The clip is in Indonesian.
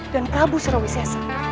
dan prabu surawesiasa